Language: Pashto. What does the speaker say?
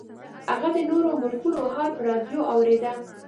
هغې د نورو ملکونو حال په راډیو اورېده